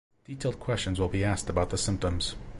Detailed questions will be asked about the symptoms.